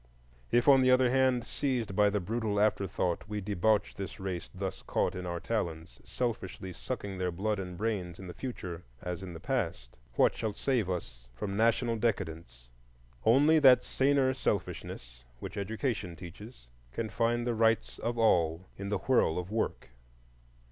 If, on the other hand, seized by the brutal afterthought, we debauch the race thus caught in our talons, selfishly sucking their blood and brains in the future as in the past, what shall save us from national decadence? Only that saner selfishness, which Education teaches, can find the rights of all in the whirl of work.